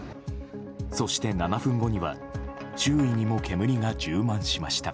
そして７分後には周囲にも煙が充満しました。